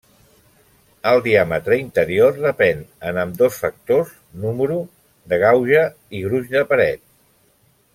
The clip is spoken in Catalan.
El diàmetre interior depén en ambdós factors número de gauge i gruix de paret.